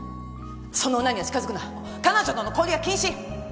その女には近づくな彼女との交流は禁止！